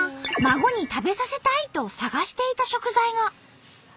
孫に食べさせたいと探していた食材が。